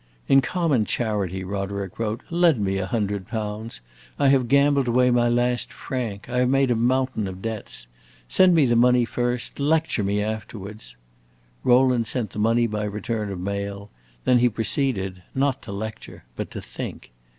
"In common charity," Roderick wrote, "lend me a hundred pounds! I have gambled away my last franc I have made a mountain of debts. Send me the money first; lecture me afterwards!" Rowland sent the money by return of mail; then he proceeded, not to lecture, but to think.